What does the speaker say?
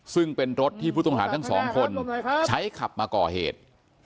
ซึ่งเป็นรถที่ผู้ต้องหาทั้งสองคนใช้ขับมาก่อเหตุ